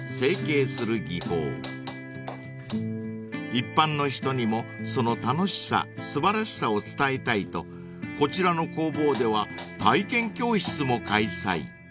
［一般の人にもその楽しさ素晴らしさを伝えたいとこちらの工房では体験教室も開催］